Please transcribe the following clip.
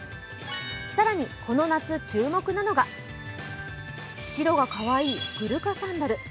更にこの夏、注目なのが白がかわいいグルカサンダル。